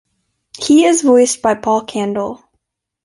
He is voiced by Paul Kandel.